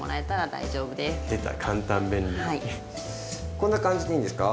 こんな感じでいいんですか？